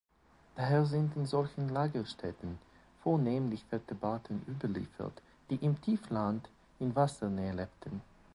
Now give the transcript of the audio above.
Daher sind in solchen Lagerstätten vornehmlich Vertebraten überliefert, die im Tiefland in Wassernähe lebten.